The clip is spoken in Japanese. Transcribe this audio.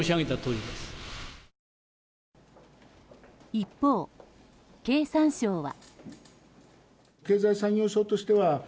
一方、経産省は。